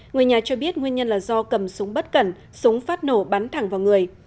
người nhà cho biết nguyên nhân là do cầm súng bất cẩn súng phát nổ bắn thẳng vào người